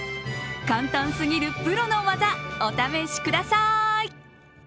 簡単すぎるプロの技お試しください！